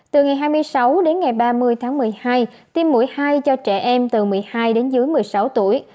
từ ngày hai mươi sáu đến ngày ba mươi tháng một mươi hai tiêm mũi hai cho trẻ em từ một mươi hai đến dưới một mươi sáu tuổi